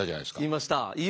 言いました。